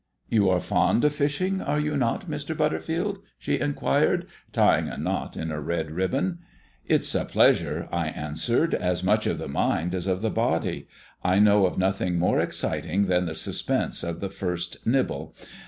"You are fond of fishing, are you not, Mr. Butterfield?" she inquired, tying a knot in a red ribbon. "It's a pleasure," I answered, "as much of the mind as of the body. I know of nothing more exciting than the suspense of the first nibble.